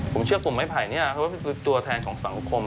ผมเชื่อกลุ่มไพ่นี้คือตัวแทนของสังคม